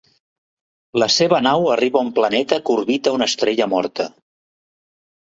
La seva nau arriba a un planeta que orbita una estrella morta.